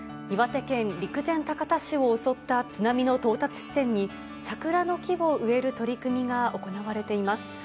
岩手県陸前高田市を襲った津波の到達地点に、桜の木を植える取り組みが行われています。